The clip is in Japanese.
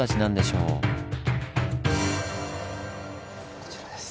こちらです。